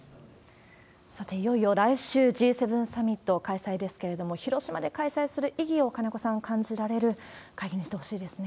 さて、いよいよ来週Ｇ７サミット開催ですけれども、広島で開催する意義を、金子さん、感じられる会議にしてほしいですね。